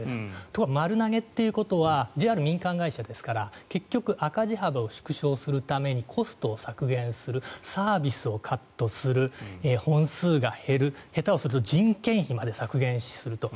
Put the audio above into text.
ところが丸投げということはＪＲは民間会社ですから結局、赤字幅を縮小するためにコストを削減するサービスをカットする本数が減る下手をすると人件費まで削減すると。